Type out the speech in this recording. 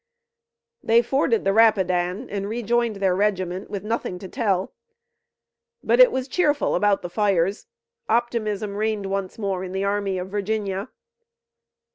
They forded the Rapidan and rejoined their regiment with nothing to tell. But it was cheerful about the fires. Optimism reigned once more in the Army of Virginia.